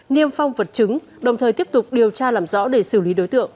niêm phong vật chứng đồng thời tiếp tục điều tra làm rõ để xử lý đối tượng